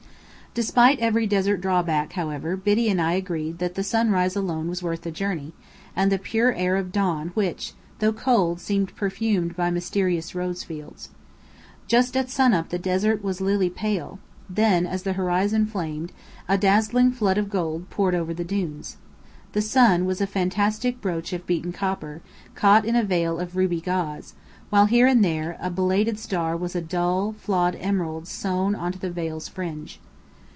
Despite every desert drawback, however, Biddy and I agreed that the sunrise alone was worth the journey, and the pure air of dawn which, though cold, seemed perfumed by mysterious rose fields. Just at sun up the desert was lily pale then, as the horizon flamed, a dazzling flood of gold poured over the dunes. The sun was a fantastic brooch of beaten copper, caught in a veil of ruby gauze, while here and there a belated star was a dull, flawed emerald sewn into the veil's fringe.